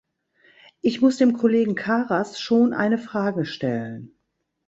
Ich muss dem Kollegen Karas schon eine Frage stellen.